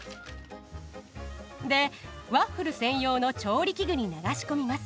でワッフル専用の調理器具に流し込みます。